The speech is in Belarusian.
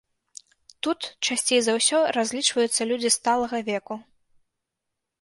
Тут часцей за ўсё разлічваюцца людзі сталага веку.